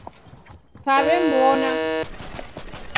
Saw'emw'ona